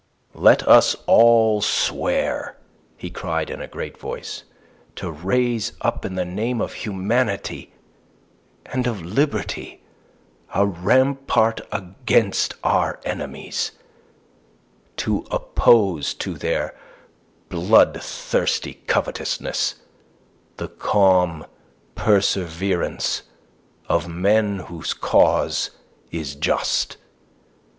"Let us all swear," he cried in a great voice, "to raise up in the name of humanity and of liberty a rampart against our enemies, to oppose to their bloodthirsty covetousness the calm perseverance of men whose cause is just.